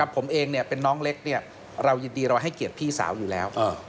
ผมเองเป็นน้องเล็กเรายินดีเราให้เกียรติพี่สาวอยู่แล้ว